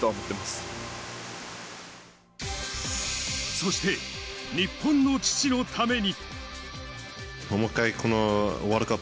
そして、日本の父のために。